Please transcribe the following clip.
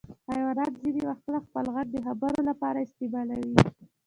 حیوانات ځینې وختونه خپل غږ د خبرو لپاره استعمالوي.